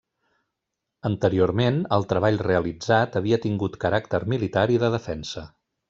Anteriorment, el treball realitzat havia tingut caràcter militar i de defensa.